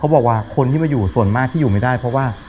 บอกว่าคนที่มาอยู่ส่วนมากที่อยู่ไม่ได้เพราะว่า